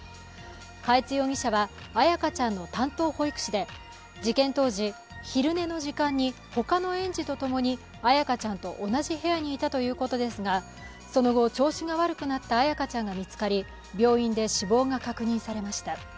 嘉悦容疑者は彩花ちゃんの担当保育士で事件当時、昼寝の時間に他の園児とともに彩花ちゃんと同じ部屋にいたということですがその後、調子が悪くなった彩花ちゃんが見つかり病院で死亡が確認されました。